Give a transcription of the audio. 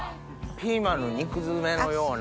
ピーマンの肉詰めのような。